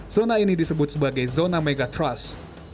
zona ini disebut sebagai zona megatrust